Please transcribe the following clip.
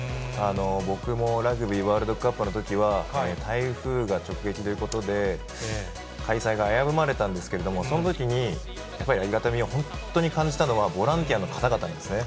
僕もラグビーワールドカップのときは、台風が直撃ということで、開催が危ぶまれたんですけれども、そのときに、やっぱりありがたみを本当に感じたのは、ボランティアの方々なんですね。